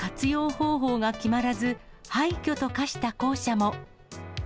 方法が決まらず、廃虚と化した校舎も。